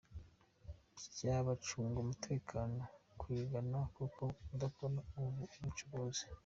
by’abacunga umutekano kuyigana kuko idakora ubucuruzi.